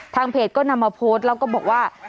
เพจก็นำมาโพสต์แล้วก็บอกว่า